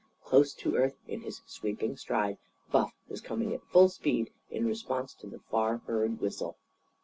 Close to earth, in his sweeping stride, Buff was coming at full speed in response to the far heard whistle.